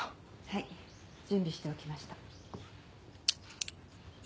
はい準備しておきました。